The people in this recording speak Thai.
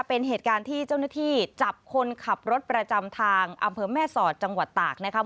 เป็นเหตุการณ์ที่เจ้าหน้าที่จับคนขับรถประจำทางอำเภอแม่สอดจังหวัดตากนะครับ